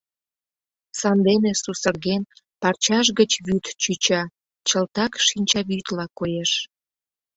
Сандене сусырген, парчаж гыч вӱд чӱча, чылтак шинчавӱдла коеш.